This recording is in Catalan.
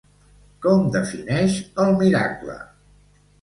Com defineix el miracle?